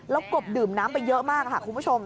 แล้วกบดื่มน้ำไปเยอะมากค่ะคุณผู้ชม